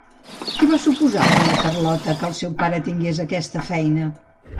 Què va suposar per a la Carlota que el seu pare tingués aquesta feina?